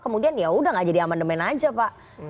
kemudian yaudah gak jadi amandemen aja pak